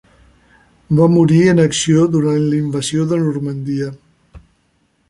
Va morir en acció durant la invasió de Normandia.